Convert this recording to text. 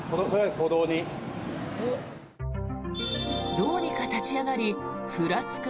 どうにか立ち上がりふらつく